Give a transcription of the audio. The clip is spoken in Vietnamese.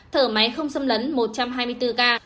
thở máy không xâm lấn một trăm hai mươi bốn ca